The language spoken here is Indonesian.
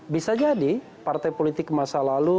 bisa jadi partai politik masa lalu